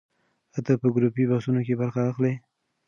ایا ته په ګروپي بحثونو کې برخه اخلې؟